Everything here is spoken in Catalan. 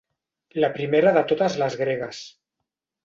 La primera de totes les gregues.